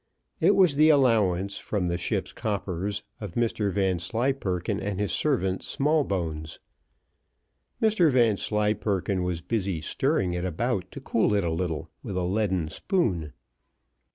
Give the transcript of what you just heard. It was the allowance, from the ship's coppers, of Mr Vanslyperken and his servant Smallbones. Mr Vanslyperken was busy stirring it about to cool it a little, with a leaden spoon.